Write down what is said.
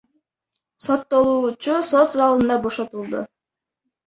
Соттолуучу сот залында бошотулду.